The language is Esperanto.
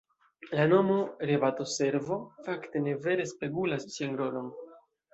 La nomo "Rebato-Servo" fakte ne vere spegulas sian rolon.